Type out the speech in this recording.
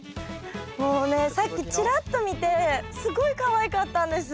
もうねさっきちらっと見てすごいかわいかったんです。